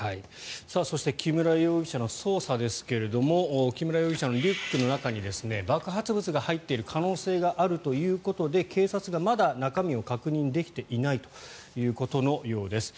そして木村容疑者の捜査ですけど木村容疑者のリュックの中に爆発物が入っている可能性があるということで警察がまだ中身を確認できていないということのようです。